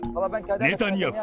ネタニヤフ！